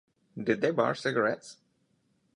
Did they bar cigarettes?